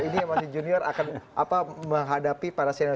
ini mas junior akan menghadapi para senior